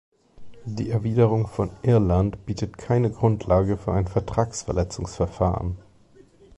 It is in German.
Die Erwiderung von Irland bietet keine Grundlage für ein Vertragsverletzungsverfahren.